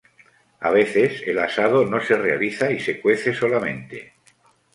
A veces, el asado no se realiza y se cuece solamente.